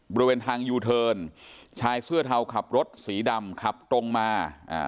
บริเวณทางยูเทิร์นชายเสื้อเทาขับรถสีดำขับตรงมาอ่า